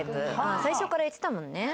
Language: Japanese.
最初から言ってたもんね。